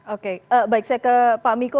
oke baik saya ke pak miko